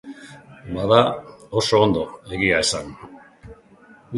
Bada, oso ondo, egia esan.